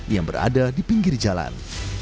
yang berada di pinggir jalan